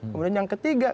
kemudian yang ketiga